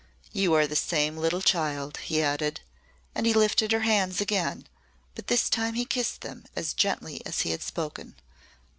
"You are the same little child," he added and he lifted her hands again, but this time he kissed them as gently as he had spoken.